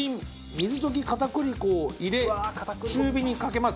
水溶き片栗粉を入れ中火にかけます。